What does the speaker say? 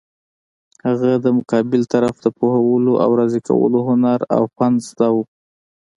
هغه د مقابل طرف د پوهولو او راضي کولو هنر او فن زده وو.